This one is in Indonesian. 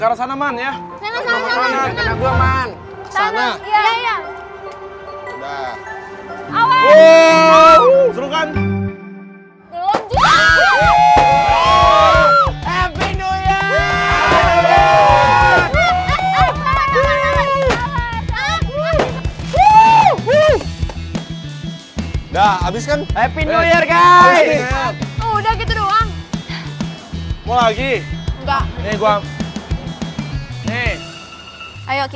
boleh gantian dulu gak